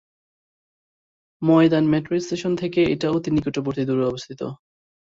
ময়দান metro station থেকে এটা অতি নিকটবর্তী দূরত্বে অবস্থিত।